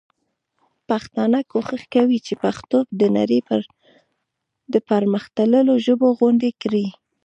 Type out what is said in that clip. پښتانه کوښښ کوي چي پښتو د نړۍ د پر مختللو ژبو غوندي کړي.